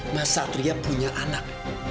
mas satria punya anak